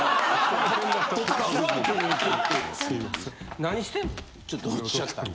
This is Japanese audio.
すいません。